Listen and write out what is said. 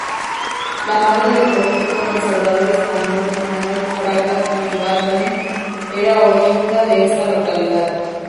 La madre del político conservador español, Manuel Fraga Iribarne, era oriunda de esta localidad.